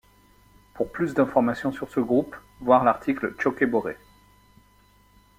Pour plus d'informations sur ce groupe, voir l'article Chokebore.